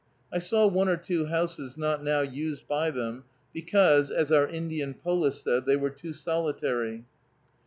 I saw one or two houses not now used by them, because, as our Indian Polis said, they were too solitary.